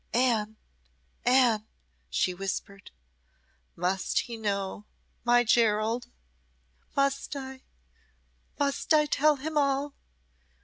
"Anne, Anne," she whispered, "must he know my Gerald? Must I must I tell him all?